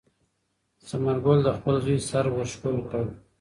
ثمر ګل د خپل زوی سر ور ښکل کړ.